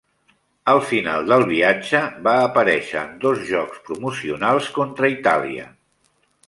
Al final del viatge va aparèixer en dos jocs promocionals contra Itàlia.